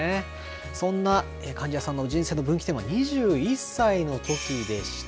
そんな貫地谷さんの人生の分岐点は２１歳のときでした。